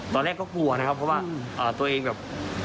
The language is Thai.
ตอนแรกก็กลัวนะครับเพราะว่าตัวเองแบบ